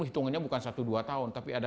hitungannya bukan satu dua tahun tapi ada